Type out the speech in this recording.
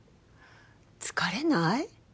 疲れない？